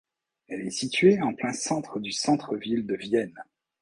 Elle est située en plein centre du centre-ville de Vienne.